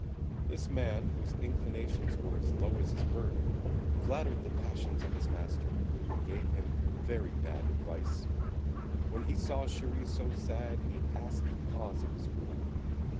This man, whose inclinations were as low as his birth, flattered the passions of his master, and gave him very bad advice. When he saw Chéri so sad, he asked the cause of his grief.